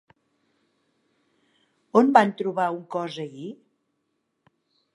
On van trobar un cos ahir?